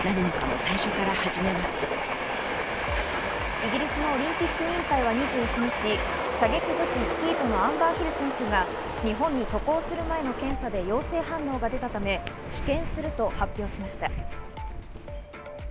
イギリスのオリンピック委員会は２１日、射撃女子スキートのアンバー・ヒル選手が日本に渡航する前の検査で陽性反応が出たため、棄権すると発表しました。